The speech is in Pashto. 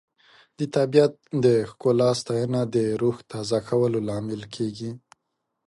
د طبیعت د ښکلا ستاینه د روح تازه کولو لامل کیږي.